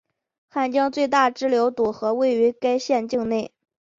汉江最大支流堵河位于该县境内。